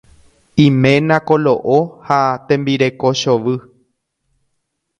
Iména koloʼo ha tembireko chovy.